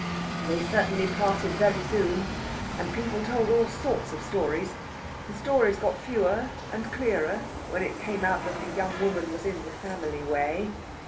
"They certainly parted very soon, and people told all sorts of stories. The stories got fewer and clearer when it came out that the young woman was in the family way.